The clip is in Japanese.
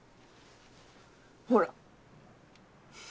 ほら。